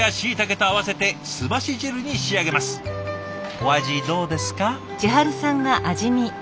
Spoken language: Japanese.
お味どうですか？